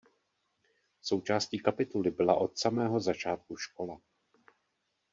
Součástí kapituly byla od samého začátku škola.